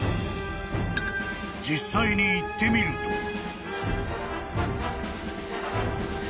［実際に行ってみると］